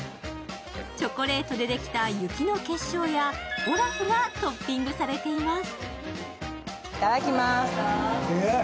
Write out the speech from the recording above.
チョコレートでできた雪の結晶やオラフがトッピングされています。